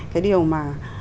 cái điều mà